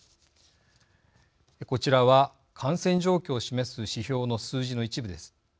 こちらは感染状況を示す指標の数字の一部です。